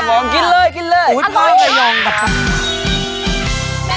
ตอนนี้ขอไปกินพิซซ่าก่อนนะแล้วเดี๋ยวช่วงหน้ากลับมาค่ะ